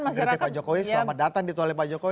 negatif pak jokowi selamat datang di tolnya pak jokowi